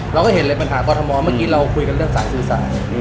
เราก็เห็นเลยปัญหากรทมเมื่อกี้เราคุยกันเรื่องสายสื่อสาร